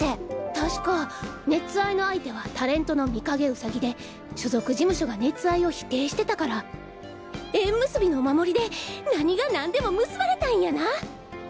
確か熱愛の相手はタレントの三影兎で所属事務所が熱愛を否定してたから縁結びのお守りでなにがなんでも結ばれたいんやな！